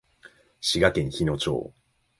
滋賀県日野町